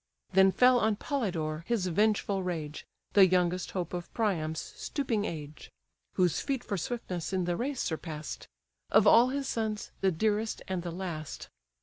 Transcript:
Then fell on Polydore his vengeful rage, The youngest hope of Priam's stooping age: (Whose feet for swiftness in the race surpass'd:) Of all his sons, the dearest, and the last.